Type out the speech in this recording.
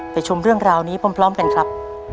ชมเรื่องราวนี้พร้อมกันครับ